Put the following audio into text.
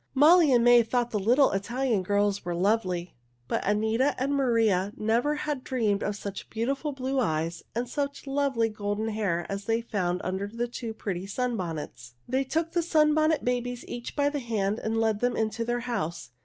Molly and May thought the little Italian girls were lovely, but Anita and Maria never had dreamed of such beautiful blue eyes and such lovely golden hair as they found under the two pretty sunbonnets. [Illustration: They led the Sunbonnet Babies into their house] They took the Sunbonnet Babies each by the hand and led them into their house.